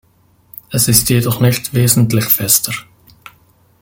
Es ist jedoch nicht wesentlich fester.